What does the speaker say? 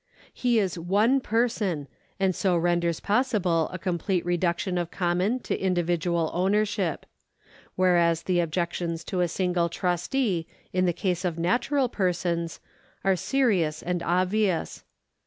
He is one person, and so renders possible a complete reduction of common to individual ownership ; whereas the objections to a single trustee in the case of natural persons are serious and obvious.